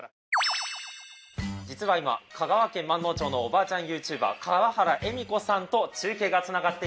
実は今香川県まんのう町のおばあちゃんＹｏｕＴｕｂｅｒ川原恵美子さんと中継が繋がっています。